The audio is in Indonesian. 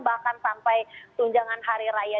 bahkan sampai tunjangan hari raya